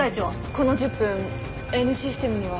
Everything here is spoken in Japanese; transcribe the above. この１０分Ｎシステムには。